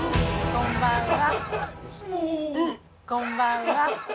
こんばんは。